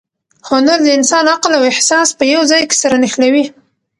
هنر د انسان عقل او احساس په یو ځای کې سره نښلوي.